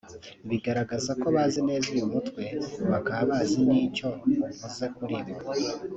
biragaraza ko bazi neza uyu mutwe baka bazi n’icyo uvuze kuri bo